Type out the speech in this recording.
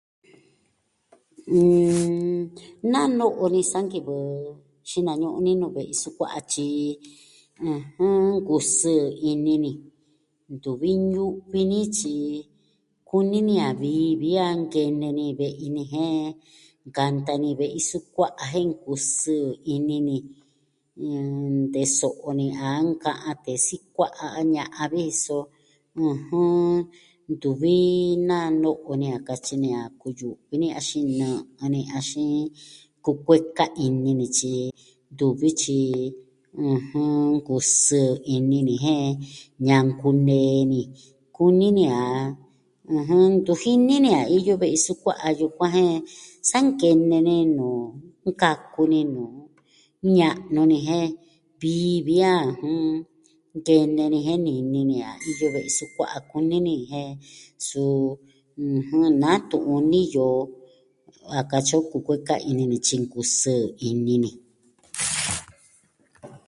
Nn... Na no'o ni sa nkivɨ xinañu'un ni nuu ve'i sukua'a, tyi, ɨjɨn, kusɨɨ ini ni. Ntuvi ñu'vi ni tyi, kuni ni a vi, vi a nkene ni ve'i ni. Jen nkanta ni ve'i sukua'a jen nkusɨɨ ini ni. Nteso'o ni a nka'an tee sikua'a a ña'an vi, so, ɨjɨn, ntuvi naa no'o ni a katyi ni a kuyu'vi ni axin nɨ'ɨ ni, axin kukueka ini ni, tyi, ntuvi tyi, ɨjɨn, kusɨɨ ini ni jen ñankuun nee ni, kuni ni a ɨjɨn, ntu jini ni a iyo ve'i sukua'a a yukuan jen sa nkene ni nuu nkaku ni nuu, ña'nu ni jen vii vi a nkene ni jen nini ni a iyo ve'i sukua'a a kuni ni jen, suu ɨjɨn, natu'un niyo a kayi o kukueka ini ni tyi nkusɨɨ ini ni.